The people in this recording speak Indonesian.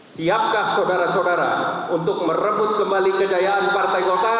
siapkah saudara saudara untuk merebut kembali kejayaan partai golkar